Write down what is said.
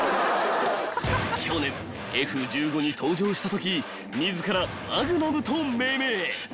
［去年Ｆ−１５に搭乗したとき自らマグナムと命名］